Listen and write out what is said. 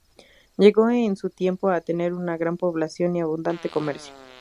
Llegó en su tiempo a tener una gran población y abundante comercio.